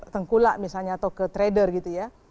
tengkulak misalnya atau ke trader gitu ya